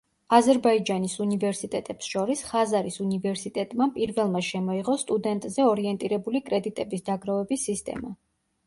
აზერბაიჯანის უნივერსიტეტებს შორის ხაზარის უნივერსიტეტმა პირველმა შემოიღო სტუდენტზე ორიენტირებული კრედიტების დაგროვების სისტემა.